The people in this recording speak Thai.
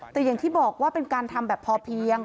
แต่อย่างที่บอกว่าเป็นการทำแบบพอเพียง